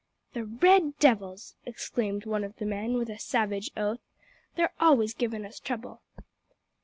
"The red devils!" exclaimed one of the men, with a savage oath; "they're always givin' us trouble."